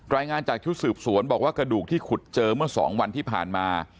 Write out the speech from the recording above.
รายงานจากชุดสืบสวนบอกว่ากระดูกที่ขุดเจอเมื่อ๒วันที่ผ่านมา